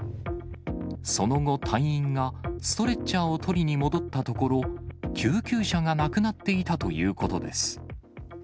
その後、隊員がストレッチャーを取りに戻ったところ、救急車がなくなっていたということです。